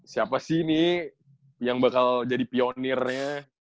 siapa sih nih yang bakal jadi pionirnya